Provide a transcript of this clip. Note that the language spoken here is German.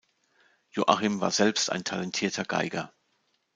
Joachim war selbst ein talentierter Geiger.